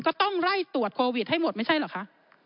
ก็ต้องไล่ตรวจโควิดให้หมดไม่ใช่เหรอคะ